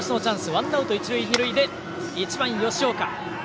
ワンアウト一塁二塁で１番、吉岡。